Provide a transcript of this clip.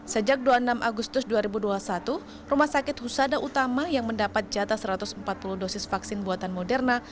sejak dua puluh enam agustus dua ribu dua puluh satu rumah sakit husada utama yang mendapat jatah satu ratus empat puluh dosis vaksin buatan moderna